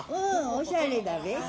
おしゃれだべ？